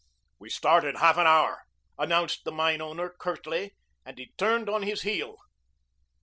"We start in half an hour," announced the mine owner curtly, and he turned on his heel.